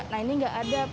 nah ini nggak ada